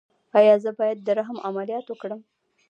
ایا زه باید د رحم عملیات وکړم؟